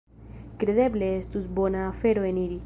Kredeble estus bona afero eniri.